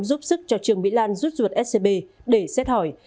giúp sức cho trương mỹ lan rút ruột scb để xét hỏi